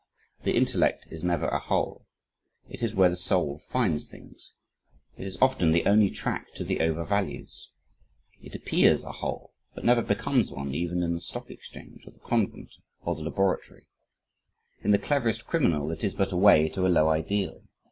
The intellect is never a whole. It is where the soul finds things. It is often the only track to the over values. It appears a whole but never becomes one even in the stock exchange, or the convent, or the laboratory. In the cleverest criminal, it is but a way to a low ideal.